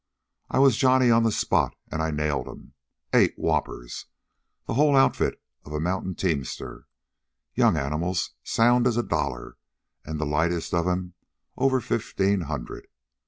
I was Johnny on the spot, an' I nailed 'm eight whoppers the whole outfit of a mountain teamster. Young animals, sound as a dollar, and the lightest of 'em over fifteen hundred.